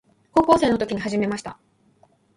高校生の時に始めました。